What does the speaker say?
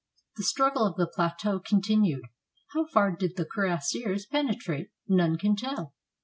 The struggle of the plateau continued. How far did the cuirassiers penetrate? None can tell.